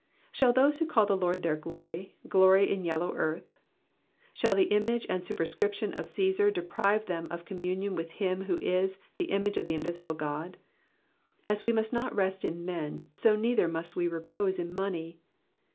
Shall those who call the Lord their glory, glory in yellow earth ? Shall the image and superscription of Csesar deprive them oi communion with him who is the image of the invisible God ? As we must not rest in men, so neither must we repose in money.